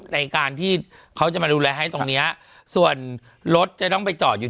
ในการที่เขาจะมาดูแลให้ตรงเนี้ยส่วนรถจะต้องไปจอดอยู่